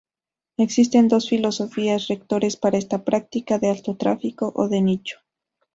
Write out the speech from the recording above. Existen dos filosofías rectores para esta práctica: de alto tráfico o de nicho.